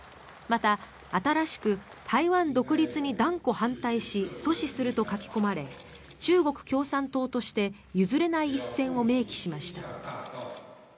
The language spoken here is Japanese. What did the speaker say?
また、新しく台湾独立に断固反対し阻止すると書き込まれ中国共産党として譲れない一線を明記しました。